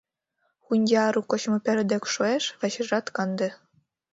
Хундиару кочмыпӧрт дек шуэш — вачыжат канде.